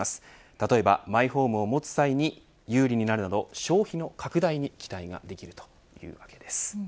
例えばマイホームを持つ際に有利になるなど消費の拡大に期待ができるというわけです。